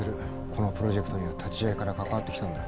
このプロジェクトには立ち上げから関わってきたんだ。